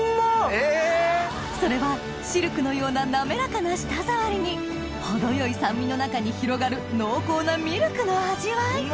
それはシルクのような滑らかな舌触りに程よい酸味の中に広がる濃厚なミルクの味わい